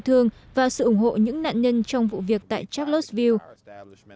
tổ chức bạo lực phân tích bại thương và sự ủng hộ những nạn nhân trong vụ việc tại charlottesville